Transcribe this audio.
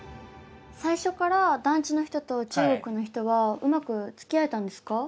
最初から団地の人と中国の人はうまくつきあえたんですか？